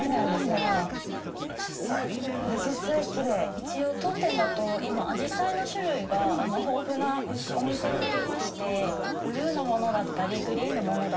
一応当店だと今アジサイの種類が豊富なお店になりましてブルーのものだったりグリーンのものだったり。